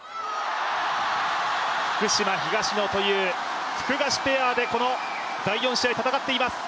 福島・東野というフクガシペアで第４試合を戦っています。